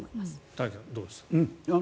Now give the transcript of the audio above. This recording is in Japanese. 田崎さん、どうですか？